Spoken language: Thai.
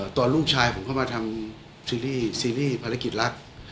ตอนลูกชายผมเข้ามาทำซีรีส์ซีรีส์ภารกิจรัก